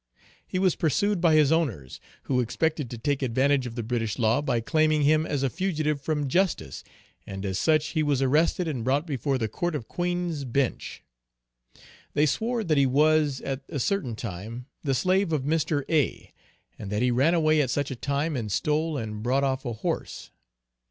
He was pursued by his owners, who expected to take advantage of the British law by claiming him as a fugitive from justice, and as such he was arrested and brought before the court of Queen's Bench. They swore that he was, at a certain time, the slave of Mr. A., and that he ran away at such a time and stole and brought off a horse.